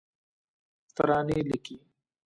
ترانې لیکې